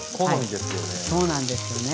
そうなんですよね。